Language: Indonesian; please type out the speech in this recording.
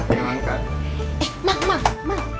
eh mak mak mak